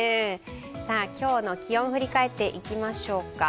今日の気温、振り返っていきましょうか。